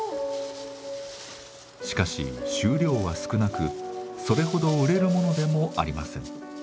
しかし収量は少なくそれほど売れるものでもありません。